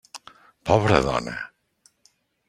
Pobra dona!